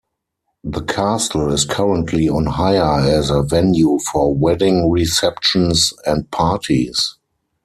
The castle is currently on hire as a venue for wedding receptions and parties.